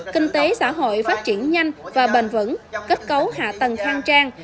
kinh tế xã hội phát triển nhanh và bền vững kết cấu hạ tầng khang trang